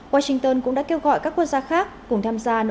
washington cũng đã kêu gọi các quốc gia khác cùng tham gia nỗ lực này